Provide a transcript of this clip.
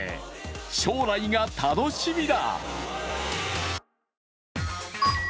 将来が楽しみだ。